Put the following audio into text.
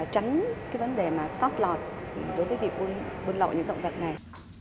tránh vấn đề sót lọt đối với việc buôn lộ những động vật này